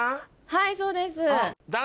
はいそうです。